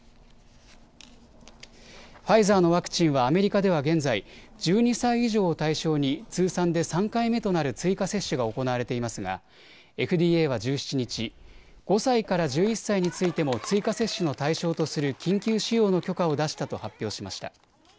ファイザーのワクチンはアメリカでは現在、１２歳以上を対象に通算で３回目となる追加接種が行われていますがＦＤＡは１７日、５歳から１１歳についても追加接種の対象とする緊急使用の許可を出したと発表しました。